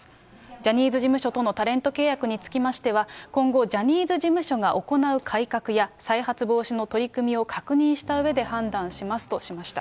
ジャニーズ事務所とのタレント契約につきましては、今後、ジャニーズ事務所が行う改革や、再発防止の取り組みを確認したうえで判断しますとしました。